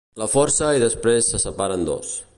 La força i després se separa en dos.